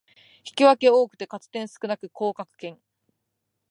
引き分け多くて勝ち点少なく降格圏